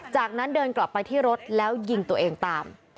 จากนั้นเดินกลับไปที่รถแล้วยิงตัวเองตาม